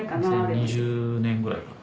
２０２０年ぐらいかな。